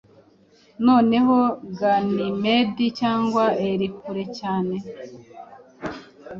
Noneho Ganymed cyangwa Hyla, kure cyane